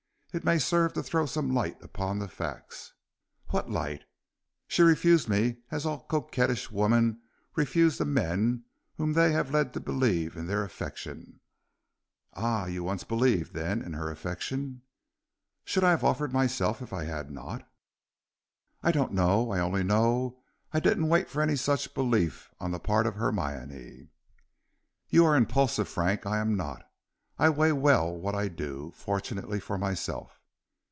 It may serve to throw some light upon the facts." "What light? She refused me as all coquettish women refuse the men whom they have led to believe in their affection." "Ah! you once believed, then, in her affection." "Should I have offered myself if I had not?" "I don't know; I only know I didn't wait for any such belief on the part of Hermione." "You are impulsive, Frank, I am not; I weigh well what I do, fortunately for myself."